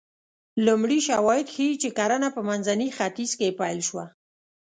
لومړي شواهد ښيي چې کرنه په منځني ختیځ کې پیل شوه